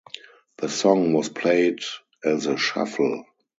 The song was played as a shuffle.